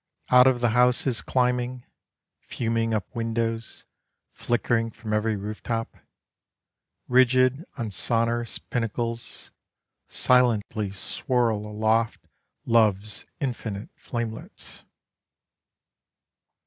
Out of the houses climbing, Fuming up windows, flickering from every roof top, Rigid on sonorous pinnacles, Silently swirl aloft Love's infinite flamelets.